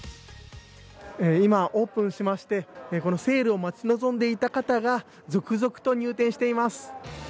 今、オープンしまして、セールを待ち望んでいた方が続々と入店しています。